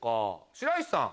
白石さん。